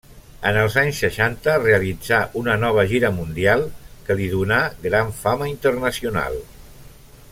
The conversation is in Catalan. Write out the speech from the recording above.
En els anys seixanta, realitzà una nova gira mundial que li donà gran fama internacional.